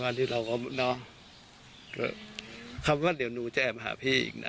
เออวันที่เราก็น้องคำว่าเดี๋ยวหนูจะแอบมาหาพี่อีกนะ